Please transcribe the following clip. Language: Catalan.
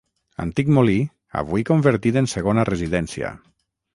Antic molí, avui convertit en segona residència.